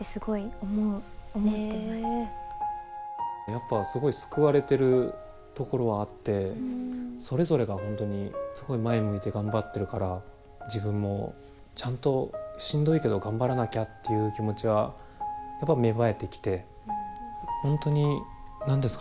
やっぱすごい救われてるところはあってそれぞれが本当にすごい前向いて頑張ってるから自分もちゃんとしんどいけど頑張らなきゃっていう気持ちはやっぱ芽生えてきて本当に何ですかね